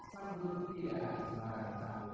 sabu tidak sebarang sabu